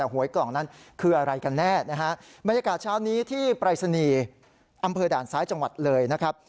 หวยกล่องนั้นคืออะไรกันแน่นะฮะบรรยากาศเช้านี้ที่ปรายศนีย์อำเภอด่านซ้ายจังหวัดเลยนะครับ